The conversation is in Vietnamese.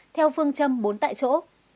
theo phương châm bốn tại chỗ